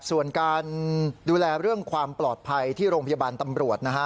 ส่วนการดูแลเรื่องความปลอดภัยที่โรงพยาบาลตำรวจนะฮะ